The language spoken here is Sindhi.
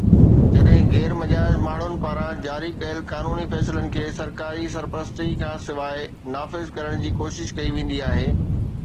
جڏهن غير مجاز ماڻهن پاران جاري ڪيل قانوني فيصلن کي سرڪاري سرپرستي کانسواءِ نافذ ڪرڻ جي ڪوشش ڪئي ويندي آهي